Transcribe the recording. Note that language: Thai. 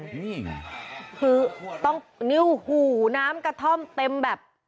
นี่ไงคือต้องนิ้วหูน้ำกระท่อมเต็มแบบ